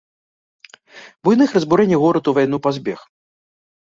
Буйных разбурэнняў горад у вайну пазбег.